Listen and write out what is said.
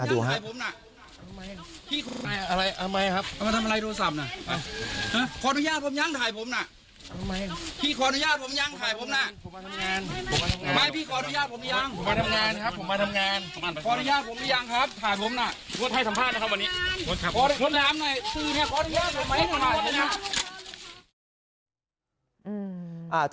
ดูครับ